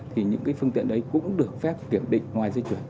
thì những phương tiện đấy cũng được phép kiểm định ngoài dây chuyền